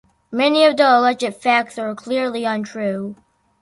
Many of the alleged facts are clearly untrue.